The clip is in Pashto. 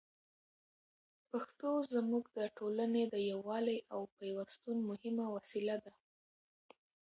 پښتو زموږ د ټولني د یووالي او پېوستون مهمه وسیله ده.